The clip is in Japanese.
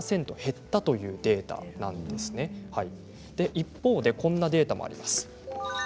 一方でこんなデータもあります。